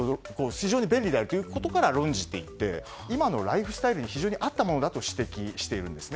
非常に便利であるということから論じていって今のライフスタイルに非常に合ったものだと指摘しているんです。